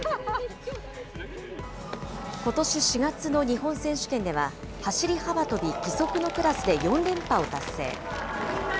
ことし４月の日本選手権では、走り幅跳び義足のクラスで４連覇を達成。